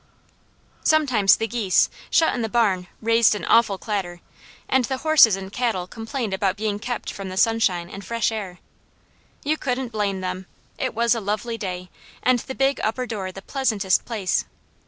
Sometimes the geese, shut in the barn, raised an awful clatter, and the horses and cattle complained about being kept from the sunshine and fresh air. You couldn't blame them. It was a lovely day, and the big upper door the pleasantest place.